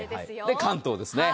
関東ですね。